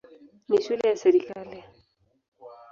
Ni shule ya serikali.